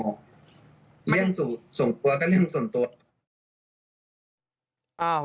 เรื่องส่วนตัวก็เรื่องส่วนตัว